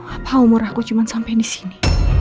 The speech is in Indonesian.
apa umur aku cuman sampai disini